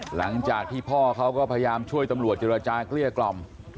หลังจากที่พ่อเขาก็พยายามช่วยตำรวจเจรจาเกลี้ยกล่อม